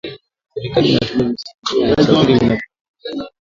serikali inatumia vituo vya siri vinavyojulikana kama